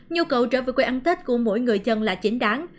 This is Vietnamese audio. nhu cầu trở về quê ăn tết của mỗi người dân là chính đáng